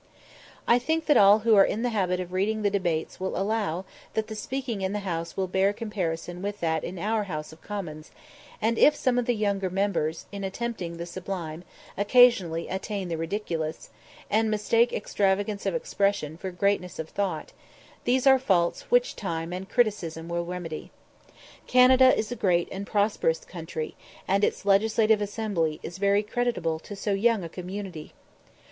I think that all who are in the habit of reading the debates will allow that the speaking in the House will bear comparison with that in our House of Commons; and if some of the younger members in attempting the sublime occasionally attain the ridiculous, and mistake extravagance of expression for greatness of thought, these are faults which time and criticism will remedy. Canada is a great and prosperous country, and its Legislative Assembly is very creditable to so young a community.